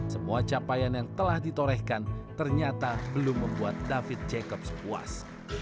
semua capaian yang telah ditorehkan ternyata belum membuat david jacobs puas